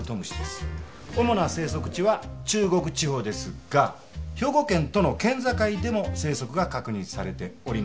主な生息地は中国地方ですが兵庫県との県境でも生息が確認されております。